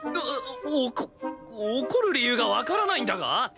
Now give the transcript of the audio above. おこ怒る理由がわからないんだが！？